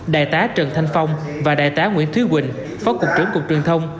đại tá trần thanh phong và đại tá nguyễn thúy quỳnh phó cục trưởng cục truyền thông